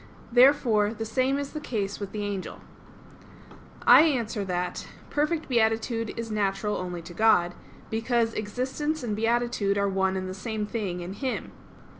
Therefore the same is the case with the angel. I answer that, Perfect beatitude is natural only to God, because existence and beatitude are one and the same thing in Him.